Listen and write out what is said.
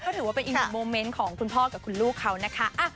ก็ถือว่าเป็นอีกหนึ่งโมเมนต์ของคุณพ่อกับคุณลูกเขานะคะ